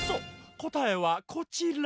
こたえはこちら。